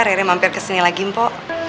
rere mampir kesini lagi mpo